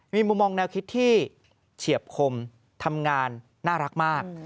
มีมุมมองแนวคิดที่เฉียบคมทำงานน่ารักมาก